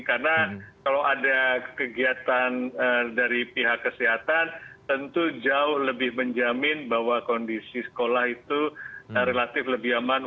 karena kalau ada kegiatan dari pihak kesehatan tentu jauh lebih menjamin bahwa kondisi sekolah itu relatif lebih aman